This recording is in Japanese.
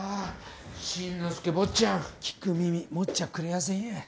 進之介坊ちゃん聞く耳持っちゃくれやせんや。